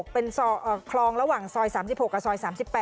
เป็นคลองระหว่างซอย๓๖กับซอย๓๘